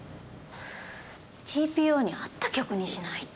ＴＰＯに合った曲にしないと。